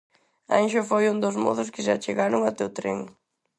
Anxo foi un dos mozos que se achegaron até o tren.